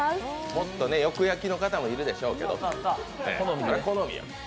もっとよく焼きの方もいるでしょうけど好みよ。